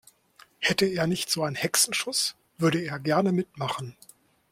Hätte er nicht so einen Hexenschuss, würde er gerne mitmachen.